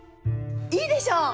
いいでしょ！